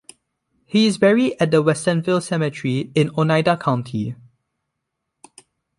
He is buried at the Westernville Cemetery in Oneida County.